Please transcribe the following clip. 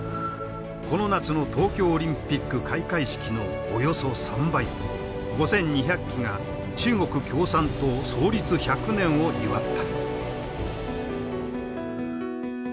この夏の東京オリンピック開会式のおよそ３倍５，２００機が中国共産党創立１００年を祝った。